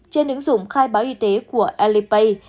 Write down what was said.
trên ứng dụng khai báo y tế của alipay